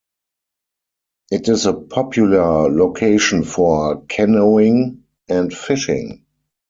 It is a popular location for canoeing and fishing.